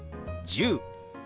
１０。